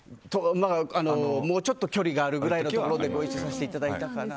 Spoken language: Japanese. もうちょっと距離があるぐらいのところでご一緒させてもらったかな。